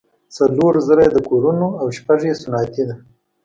څلور زره یې د کورونو او شپږ یې صنعتي ده.